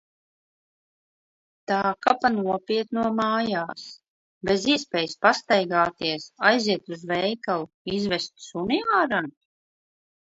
Tā, ka pa nopietno mājās. Bez iespējas pastaigāties, aiziet uz veikalu, izvest suni ārā?